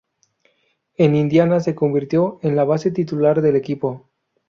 En Indiana se convirtió en la base titular del equipo.